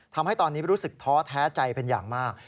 ทำให้ตอนนี้รู้สึกท้อแท้ใจเป็นอย่างมาก